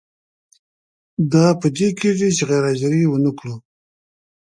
دا په دې کیږي چې غیر حاضري ونه کړو.